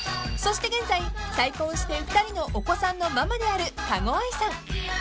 ［そして現在再婚して２人のお子さんのママである加護亜依さん］